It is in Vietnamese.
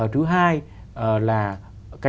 thứ hai là